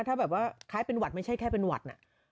ถ้าแบบว่าคล้ายเป็นหวัดไม่ใช่แค่เป็นหวัด